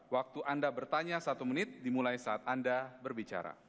waktu anda bertanya satu menit dimulai saat anda berbicara